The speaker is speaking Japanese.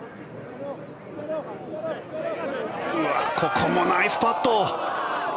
ここもナイスパット。